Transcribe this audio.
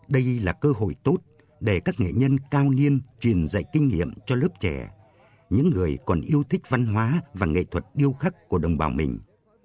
đây là cơ hội tốt để các nghệ nhân cao niên truyền dạy kinh nghiệm cho lớp trẻ những người còn yêu thích văn hóa và nghệ thuật điêu khắc của đồng bào mình